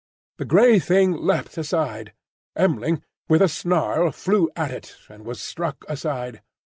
The grey Thing leapt aside. M'ling, with a snarl, flew at it, and was struck aside.